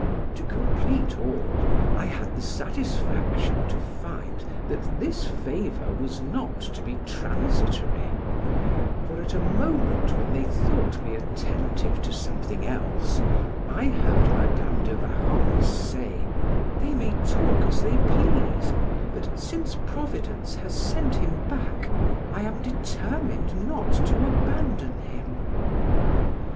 To complete all, I had the satisfaction to find that this favor was not to be transitory; for at a moment when they thought me attentive to something else, I heard Madam de Warrens say, "They may talk as they please, but since Providence has sent him back, I am determined not to abandon him."